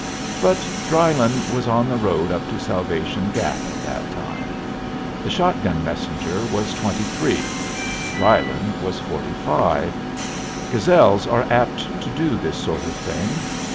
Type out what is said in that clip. But Drylyn was on the road up to Salvation Gap at that time. The shot gun messenger was twenty three; Drylyn was forty five. Gazelles are apt to do this sort of thing.